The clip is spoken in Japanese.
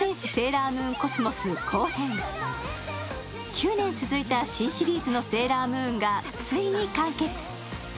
９年続いた新シリーズの「セーラームーン」がついに完結。